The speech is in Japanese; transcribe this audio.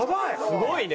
すごいね。